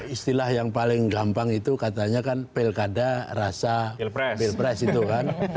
istilah yang paling gampang itu katanya kan pilkada rasa pilpres itu kan